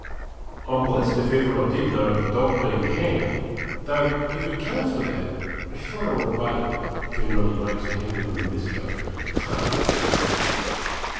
I'm blessed if ever I did know of a dog being hanged, though, if it comes to that, a shot or a bait generally makes an end of 'em in this country. Ha, ha!